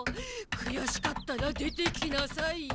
くやしかったら出てきなさい。